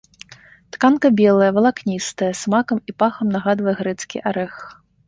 Тканка белая, валакністая, смакам і пахам нагадвае грэцкі арэх.